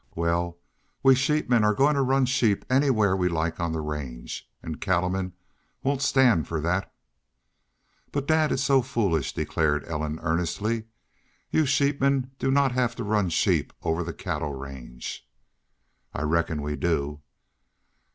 "Wal, we sheepmen are goin' to run sheep anywhere we like on the range. An' cattlemen won't stand for that." "But, dad, it's so foolish," declared Ellen, earnestly. "Y'u sheepmen do not have to run sheep over the cattle range." "I reckon we do."